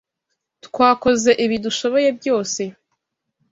Twakoze ibi dushoboye byose.